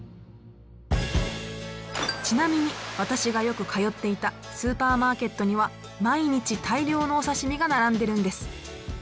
ちなみに私がよく通っていたスーパーマーケットには毎日大量のお刺身が並んでるんです。